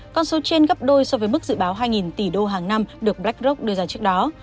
con số trên gấp đôi so với mức dự báo hai tỷ đô hàng năm được blackrock đưa ra trước đó